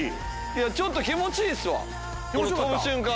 いやちょっと気持ちいいっすわ飛ぶ瞬間。